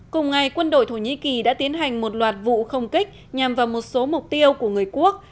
cùng ngày quân đội thổ nhĩ kỳ đã tiến hành một loạt vụ không kích nhằm vào một số mục tiêu của người quốc